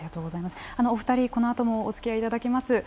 お二人このあともおつきあいいただきます。